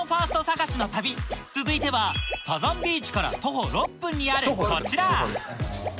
探しの旅続いてはサザンビーチから徒歩６分にあるこちら！